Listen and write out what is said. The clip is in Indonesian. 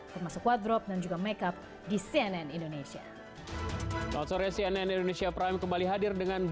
perjalanan kami cnn indonesia masih panjang